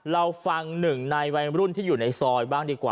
เราฟังหนึ่งในวัยรุ่นที่อยู่ในซอยนี้